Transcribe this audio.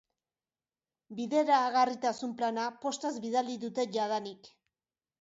Bideragarritasun plana postaz bidali dute jadanik.